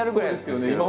そうですよね。